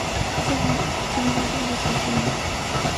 在今天他被视作经济自由主义的早期倡导者之一。